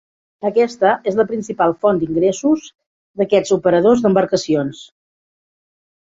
Aquesta és la principal font d'ingressos d'aquests operadors d'embarcacions.